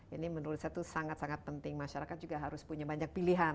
ini menurut saya itu sangat sangat penting masyarakat juga harus punya banyak pilihan